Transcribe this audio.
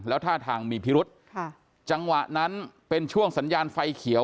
แล้วท่าทางมีพิรุษค่ะจังหวะนั้นเป็นช่วงสัญญาณไฟเขียว